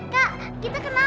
kak kita kenapa